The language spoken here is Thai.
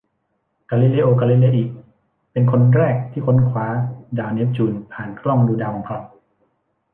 กาลิเลโอ กาลิเลอิ เป็นคนแรกที่ค้นคว้าดาวเนปจูนผ่านกล้างดูดาวของเขา